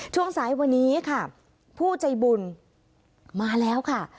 ช่วงสายวันนี้ค่ะผู้ใจบุญมาแล้วค่ะ